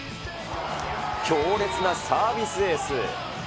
強烈なサービスエース。